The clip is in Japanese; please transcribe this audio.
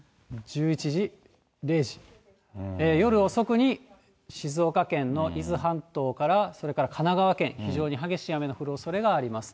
夜遅くに静岡県の伊豆半島から、それから神奈川県、非常に激しい雨の降るおそれがあります。